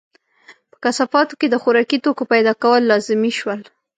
په کثافاتو کې د خوراکي توکو پیدا کول لازمي شول.